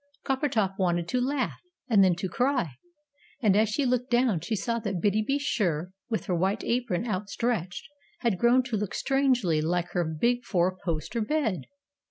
Coppertop wanted to laugh, and then to cry. And as she looked down she saw that Biddy be sure, with her white apron outstretched, had grown to look strangely like her big four posted Bed!